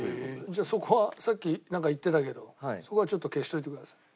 じゃあそこはさっきなんか言ってたけどそこはちょっと消しといてください。